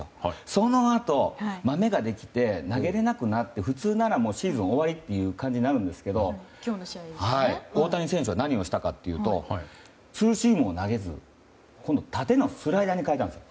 そのあと、マメができて投げられなくなって、普通ならシーズン終わりという感じになるんですけど大谷選手は何をしたかというとツーシームを投げず今度は縦のスライダーに変えたんです。